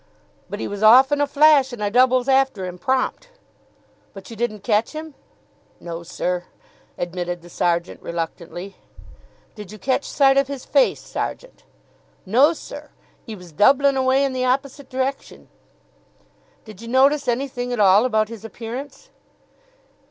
"But 'e was off in a flash, and I doubles after 'im prompt." "But you didn't catch him?" "No, sir," admitted the sergeant reluctantly. "Did you catch sight of his face, sergeant?" "No, sir, 'e was doublin' away in the opposite direction." "Did you notice anything at all about his appearance?"